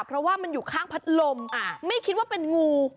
เพราะว่ามันอยู่ข้างพัดลมไม่คิดว่าเป็นงู